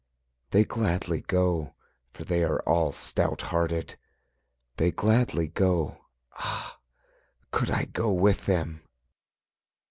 They gladly go For they are all stout hearted, They gladly go Ah, could I go with them!